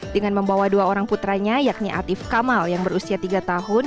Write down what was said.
dengan membawa dua orang putranya yakni atif kamal yang berusia tiga tahun